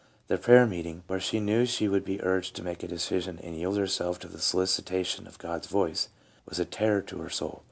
The prayer meeting, where she knew she would be urged to make a decision and yield herself to the solicita tion of God's voice, was a terror to her soul.